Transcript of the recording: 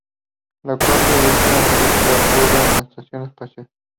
La cuarta y última película ocurre en una estación espacial.